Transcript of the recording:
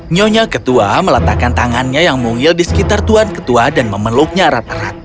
nyonya ketua meletakkan tangannya yang mungil di sekitar tuan ketua dan memeluknya erat erat